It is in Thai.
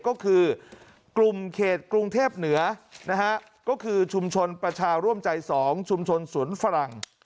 ก็คือกลุ่มเขตกรุงเทพเหนือนะฮะก็คือชุมชนประชาร่วมใจ๒ชุมชนสวนฝรั่ง